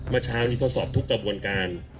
เมื่อเช้านี้ทดสอบทุกกระบวนการ